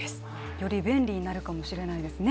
より便利になるかもしれないですね。